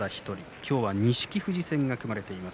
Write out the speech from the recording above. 今日は錦富士戦が組まれています。